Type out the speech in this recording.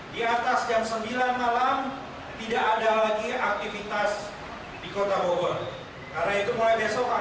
di atas jam sembilan malam tidak ada lagi aktivitas di kota bogor